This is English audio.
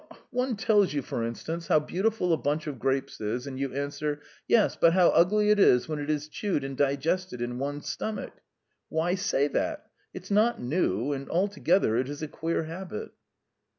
"One tells you, for instance, how beautiful a bunch of grapes is, and you answer: 'Yes, but how ugly it is when it is chewed and digested in one's stomach!' Why say that? It's not new, and ... altogether it is a queer habit."